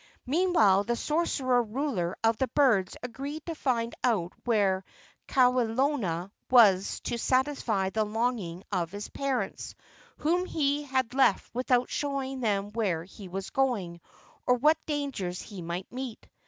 Meanwhile the sorcerer ruler of the birds agreed to find out where Kawelona was to satisfy the longing of his parents, whom he had left without showing them where he was going or what dangers he might meet.